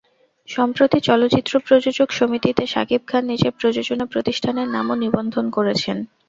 সম্প্রতি চলচ্চিত্র প্রযোজক সমিতিতে শাকিব খান নিজের প্রযোজনা প্রতিষ্ঠানের নামও নিবন্ধন করেছেন।